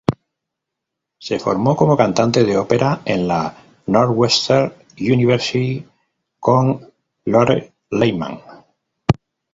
Se formó como cantante de ópera en la Northwestern University con Lotte Lehmann.